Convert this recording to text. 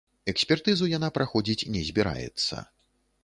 Экспертызу яна праходзіць не збіраецца.